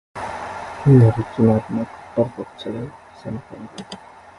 उनीहरू चुनावमा कट्टर पञ्चलाई समर्थन गर्थे ।